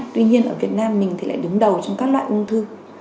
tuy nhiên ở việt nam mình thì lại đứng đầu trong các loại ung thư